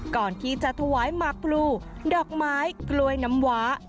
ก่อนที่จะถวายหมากพลูดอกไม้กล้วยน้ำว้า